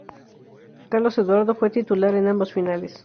Carlos Eduardo fue titular en ambas finales.